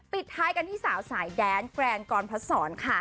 ปิดท้ายกันที่สาวสายแดนแกรนกรพศรค่ะ